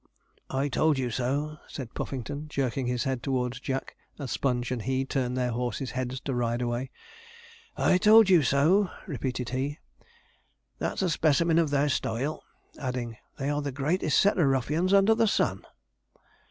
'I told you so,' said Puffington, jerking his head towards Jack, as Sponge and he turned their horses' heads to ride away; 'I told you so,' repeated he; 'that's a specimen of their style'; adding, 'they are the greatest set of ruffians under the sun.'